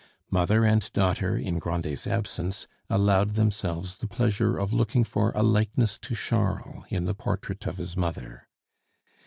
Mother and daughter, in Grandet's absence, allowed themselves the pleasure of looking for a likeness to Charles in the portrait of his mother.